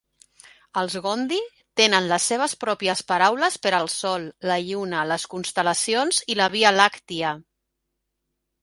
Els gondi tenen les seves pròpies paraules per al Sol, la Lluna, les constel·lacions i la Via Làctia.